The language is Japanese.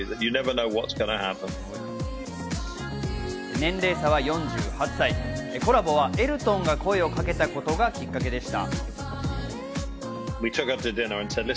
年齢差は４８歳、コラボはエルトンが声をかけたことがきっかけでした。